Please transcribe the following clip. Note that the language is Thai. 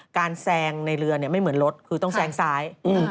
แซงในเรือไม่เหมือนรถคือต้องแซงซ้าย